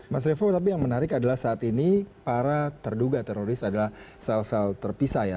mas revo tapi yang menarik adalah saat ini para terduga teroris adalah sel sel terpisah ya